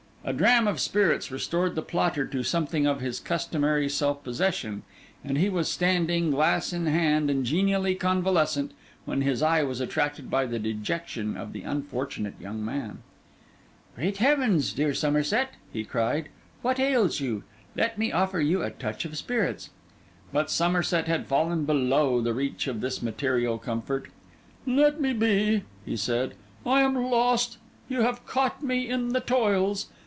A dram of spirits restored the plotter to something of his customary self possession; and he was standing, glass in hand and genially convalescent, when his eye was attracted by the dejection of the unfortunate young man. 'Good heavens, dear Somerset,' he cried, 'what ails you? Let me offer you a touch of spirits.' But Somerset had fallen below the reach of this material comfort. 'Let me be,' he said. 'I am lost; you have caught me in the toils.